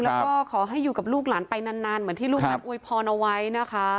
แล้วก็ขอให้อยู่กับลูกหลานไปนานเหมือนที่ลูกนั้นอวยพรเอาไว้นะคะ